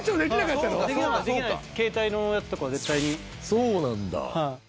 そうなんだ。